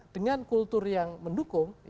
dengan kultur yang mendukung